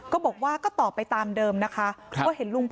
ก็บอกว่าก็ต่อไปตามเดิมนะคะ